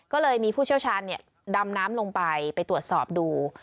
ก็เลยมีผู้เชี่ยวชาญดำน้ำลงไปไปตรวจสอบดู